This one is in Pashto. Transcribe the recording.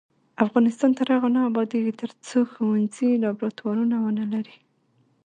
افغانستان تر هغو نه ابادیږي، ترڅو ښوونځي لابراتوارونه ونه لري.